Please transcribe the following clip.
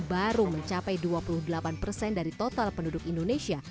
baru mencapai dua puluh delapan persen dari total penduduk indonesia